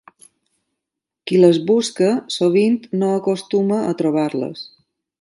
Qui les busca sovint no acostuma a trobar-les.